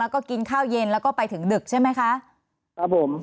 ก็กินข้าวเย็นแล้วก็ไปถึงดึกใช่ไหมคะครับผม